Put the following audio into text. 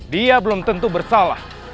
dia belum tentu bersalah